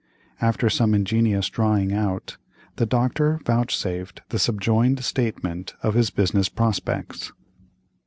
After some ingenious drawing out, the Doctor vouchsafed the subjoined statement of his business prospects.